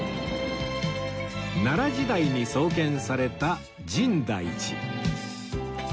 奈良時代に創建された深大寺